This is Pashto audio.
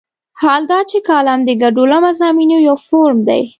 حال دا چې کالم د ګډوله مضامینو یو فورم دی.